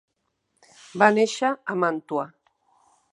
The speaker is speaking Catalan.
Va néixer a Màntua.